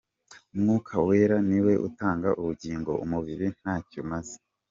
Umwuka Wera ni we utanga ubugingo, umubiri nta cyo umaze.